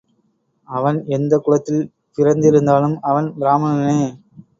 அவன் எந்தக் குலத்தில் பிறந்திருந்தாலும் அவன் பிராமணனே.